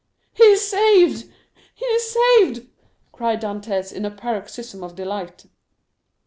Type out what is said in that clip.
"He is saved! he is saved!" cried Dantès in a paroxysm of delight.